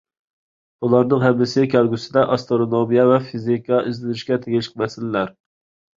بۇلارنىڭ ھەممىسى كەلگۈسىدە ئاسترونومىيە ۋە فىزىكىدا ئىزدىنىشكە تېگىشلىك مەسىلىلەر.